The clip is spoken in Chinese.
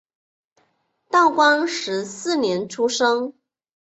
道光十四年出生。